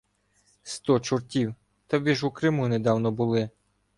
— Сто чортів! Та ви ж у Криму недавно були!